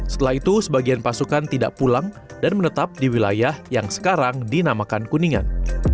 setelah itu sebagian pasukan tidak pulang dan menetap di wilayah yang sekarang dinamakan kuningan